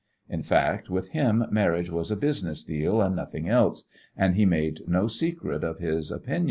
In fact, with him marriage was a business deal and nothing else, and he made no secret of his opinion.